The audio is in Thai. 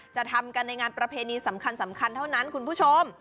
จะทำกันในงานประเพณีสำคัญเท่านั้นคุณผู้ชม